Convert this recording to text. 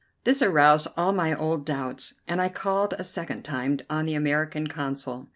This aroused all my old doubts, and I called a second time on the American Consul.